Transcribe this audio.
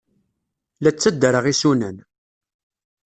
La ttadreɣ isunan.